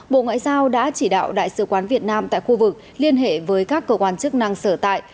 bộ ngoại giao đã chỉ đạo đại sứ quán việt nam tại khu vực liên hệ với các cơ quan chức năng sở tại